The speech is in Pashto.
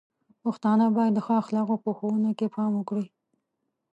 پښتانه بايد د ښو اخلاقو په ښوونه کې پام وکړي.